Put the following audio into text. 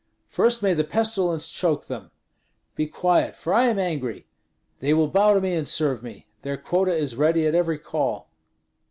"First may the pestilence choke them! Be quiet, for I am angry! They will bow to me and serve me. Their quota is ready at every call."